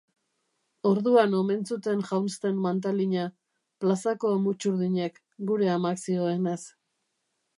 Orduan omen zuten jaunzten mantalina, plazako mutxurdinek, gure amak zioenaz.